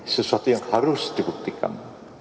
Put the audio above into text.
sesuatu yang harus dibuktikan